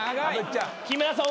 木村さん